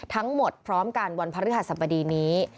ทั้งหมดพร้อมกันวันพระฤหัสสมดีนี้